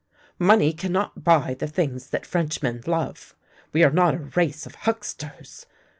" Money cannot buy the things that Frenchmen love. We are not a race of hucksters!